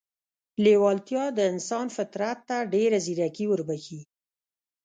لېوالتیا د انسان فطرت ته ډېره ځیرکي وربښي